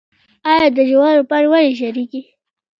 آیا د جوارو پاڼې ولې ژیړیږي؟